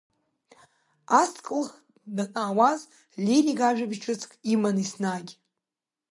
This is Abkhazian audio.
Ас дкылхх данаауаз, Лерик ажәабжь ҿыцк иман еснагь.